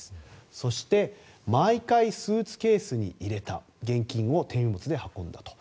そして毎回、スーツケースに入れた現金を手荷物で運んだと。